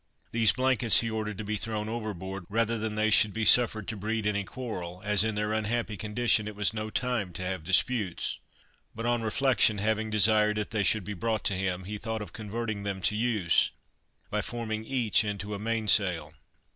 These blankets he ordered to be thrown overboard, rather than they should be suffered to breed any quarrel, as in their unhappy condition it was no time to have disputes. But on reflection having desired that they should be brought to him, he thought of converting them to use, by forming each into a main sail.